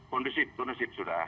kondusif kondusif sudah